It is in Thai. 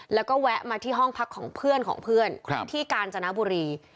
แล้วก็แวะมาที่ห้องพักของเพื่อนของเพื่อนที่กาญจนบุรี